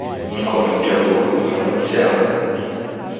Encomende a lua em uma enseada.